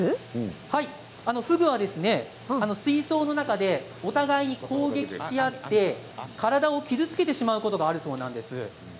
フグは水槽の中でお互い攻撃し合って体を傷つけてしまうことがあるんだそうです。